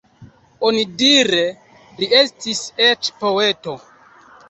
Onidire li estis eĉ poeto.